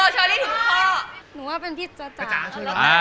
ช่วยอะไรอ่ะ